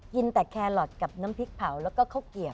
กินแต่แครอทกับน้ำพริกเผาแล้วก็ข้าวเกียบ